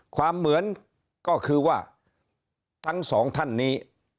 ความเหมือนก็คือว่าทั้งสองท่านนี้